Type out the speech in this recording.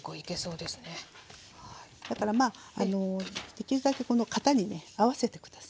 だからできるだけこの型にね合わせて下さい。